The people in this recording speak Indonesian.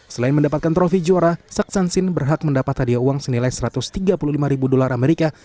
selain mendapatkan trofi juara saksansin berhak mendapat hadiah uang senilai satu ratus tiga puluh lima ribu dolar amerika